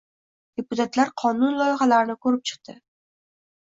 Deputatlar qonun loyihalarini ko‘rib chiqdi